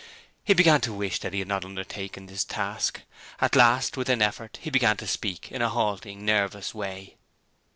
He began to wish that he had not undertaken this task. At last, with an effort, he began to speak in a halting, nervous way